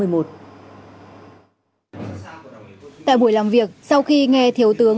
tại buổi làm việc sau khi nghe thiếu tướng